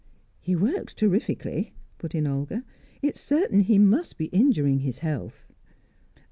"He works terrifically," put in Olga. "It's certain he must be injuring his health."